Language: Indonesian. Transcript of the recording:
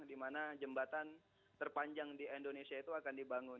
di mana jembatan terpanjang di indonesia itu akan dibangun